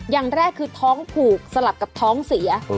อย่างแรกคือท้องผูกสลับกับท้องเสีย